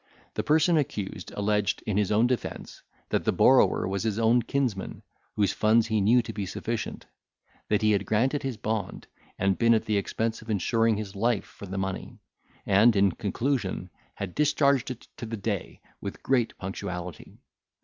The person accused alleged, in his own defence, that the borrower was his own kinsman, whose funds he knew to be sufficient; that he had granted his bond, and been at the expense of insuring his life for the money; and, in conclusion, had discharged it to the day with great punctuality.